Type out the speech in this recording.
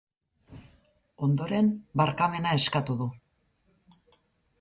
Ondoren, barkamena eskatu du.